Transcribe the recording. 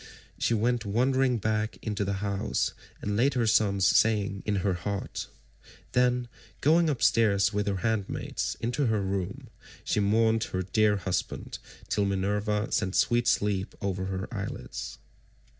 She went wondering back into the house, and laid her son's saying in her heart. Then going upstairs with her handmaids into her room, she mourned her dear husband till Minerva sent sweet sleep over her eyelids.